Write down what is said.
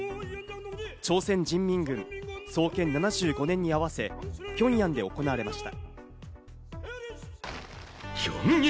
朝鮮人民軍創建７５年に合わせ、ピョンヤンで行われました。